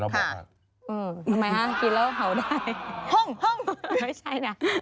ทำไมน่ะกินเล่าเห่าได้